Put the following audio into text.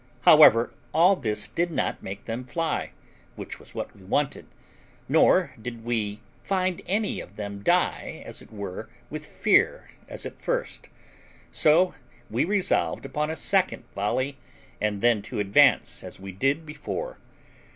However, all this did not make them fly, which was what we wanted, nor did we find any of them die as it were with fear, as at first; so we resolved upon a second volley, and then to advance as we did before.